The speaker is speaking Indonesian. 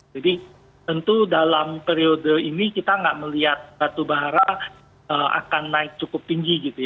jadi tentu dalam periode ini kita tidak melihat batu bara yang menurun